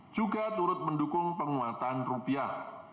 juga turut mendukung penguatan rupiah